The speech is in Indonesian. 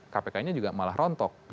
kpk nya juga malah rontok